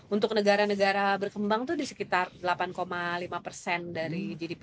untuk negara negara berkembang itu di sekitar delapan lima persen dari gdp